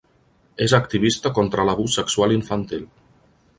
És activista contra l'abús sexual infantil.